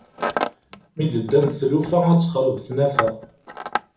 Mi d-ddant tlufa ad texreb tnafa.